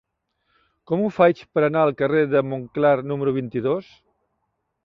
Com ho faig per anar al carrer de Montclar número vint-i-dos?